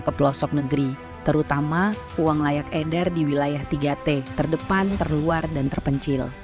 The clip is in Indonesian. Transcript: ke pelosok negeri terutama uang layak edar di wilayah tiga t terdepan terluar dan terpencil